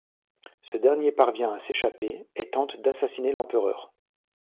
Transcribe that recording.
Ce dernier parvient à s'échapper et tente d'assassiner l’Empereur.